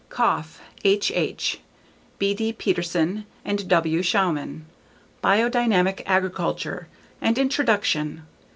Koepf, H.H., B.D. Petterson, and W. Shaumann. _Bio Dynamic Agriculture: An Introduction.